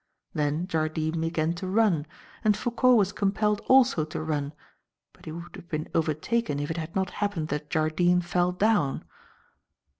Then Jardine began to run, and Foucault was compelled also to run but he would have been overtaken if it had not happened that Jardine fell down.